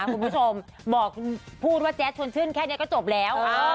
คุณผู้ชมบอกพูดว่าแจ๊ดชวนชื่นแค่นี้ก็จบแล้ว